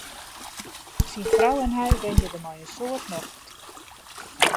Syn frou en hy wenje dêr mei in soad nocht.